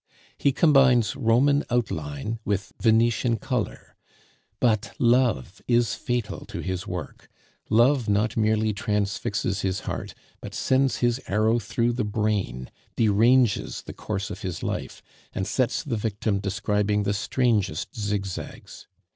He combines Roman outline with Venetian color; but love is fatal to his work, love not merely transfixes his heart, but sends his arrow through the brain, deranges the course of his life, and sets the victim describing the strangest zigzags.